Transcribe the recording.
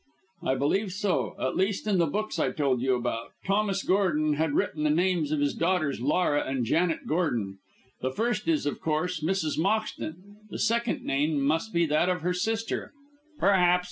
"I believe so. At least, in the books I told you about, Thomas Gordon had written the names of his daughters Laura and Janet Gordon. The first is, of course, Mrs. Moxton, the second name must be that of her sister." "Perhaps.